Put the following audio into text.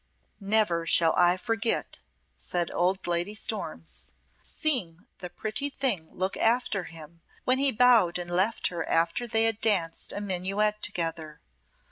"Never shall I forget," said old Lady Storms, "seeing the pretty thing look after him when he bowed and left her after they had danced a minuet together.